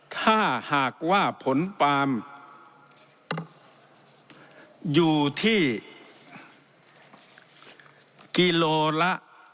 ถ้าหากว่าผลปาล์มอยู่ที่กิโลละ